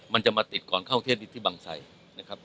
มันจะมาติดก่อนเข้าเทศดินที่บังไสนะครับ